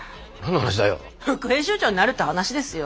副編集長になるって話ですよ。